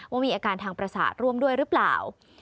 ว่ามีอาการทางประสาทร่วมด้วยหรือเปล่า